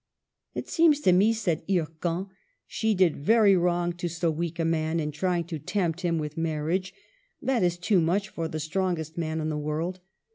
" It seems to me," said Hircan, *' she did very wrong to so weak a man in trying to tempt him with marriage ; that is too much for the strongest man in the world.